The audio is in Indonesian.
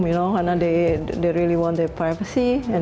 mereka benar benar ingin privasi mereka